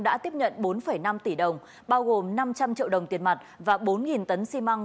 đã tiếp nhận bốn năm tỷ đồng bao gồm năm trăm linh triệu đồng tiền mặt và bốn tấn xi măng